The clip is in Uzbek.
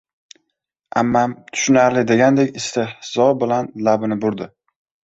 — Ammam «tushunarli» degandek istehzo bilan labini burdi.